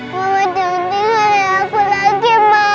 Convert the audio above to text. mama jangan tinggalin aku lagi ma